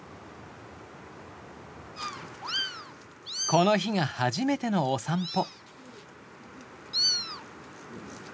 この日が初めてのお散歩。